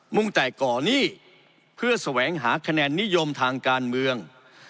่งแต่ก่อนหนี้เพื่อแสวงหาคะแนนนิยมทางการเมือง